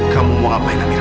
kamu mau ngapain amira